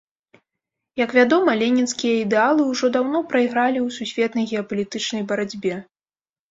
Як вядома, ленінскія ідэалы ўжо даўно прайгралі ў сусветнай геапалітычнай барацьбе.